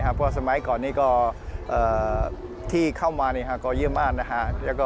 เพราะว่าสมัยก่อนที่เข้ามาก็เยอะมาก